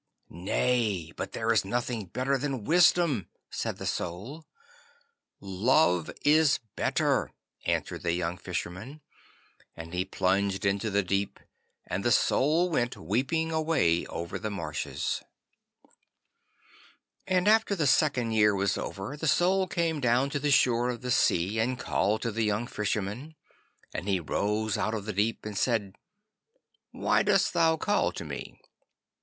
'Nay, but there is nothing better than Wisdom,' said the Soul. 'Love is better,' answered the young Fisherman, and he plunged into the deep, and the Soul went weeping away over the marshes. And after the second year was over, the Soul came down to the shore of the sea, and called to the young Fisherman, and he rose out of the deep and said, 'Why dost thou call to me?